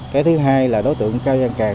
cái thứ hai là đối tượng cao dân càng